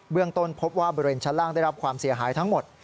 เบื้องต้นพบว่าเบอร์เรนชั้นล่างได้รับความเสียหายทั้งหมด